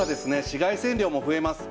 紫外線量も増えます。